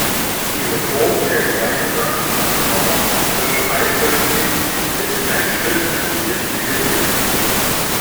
Die Reform der gemeinsamen Agrar- und Fischereipolitik ist ein Schritt in die richtige Richtung.